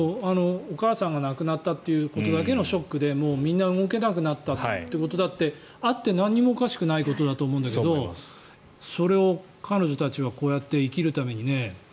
お母さんが亡くなったということだけのショックでみんな動けなくなったということだってあってもなんにもおかしくないことだと思うんだけどそれを彼女たちはこうやって生きるためにね。